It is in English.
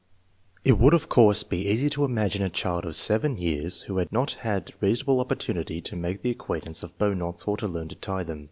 It would, of course, be easy to imagine a child of 7 years who had not had reasonable opportunity to make the acquaintance of bow knots or to learn to tie them.